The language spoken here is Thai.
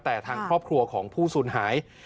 แต่ทางครอบครัวของผู้สูญหาย